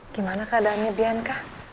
gimana keadaannya bianca